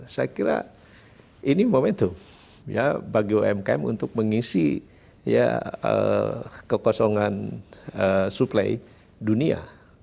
saya kira ini momentum bagi umkm untuk mengisi kekosongan suplai dunia